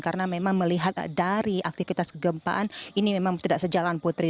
karena memang melihat dari aktivitas kegempaan ini memang tidak sejalan putri